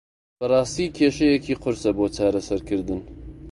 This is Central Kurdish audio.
بەڕاستی کێشەیەکی قورسە بۆ چارەسەرکردن.